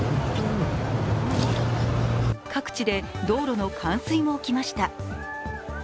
各地で道路の冠水も起きました。